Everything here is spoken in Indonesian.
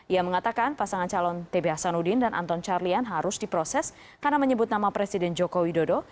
ia mengatakan pasangan calon tb hasanuddin dan anton carlian harus diproses karena menyebut nama presiden joko widodo